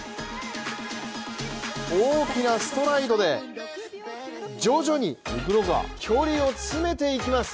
大きなストライドで、徐々に距離を詰めていきます。